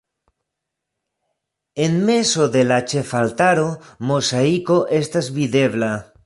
En mezo de la ĉefaltaro mozaiko estas videbla.